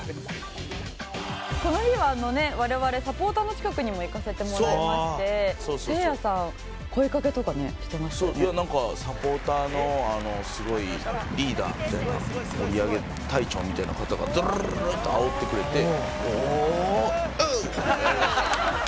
この日は我々サポーターの近くにも行かせてもらいましてせいやさん「なんかサポーターのすごいリーダーみたいな盛り上げ隊長みたいな方がドルルルルってあおってくれておおウー！っていうのやりました」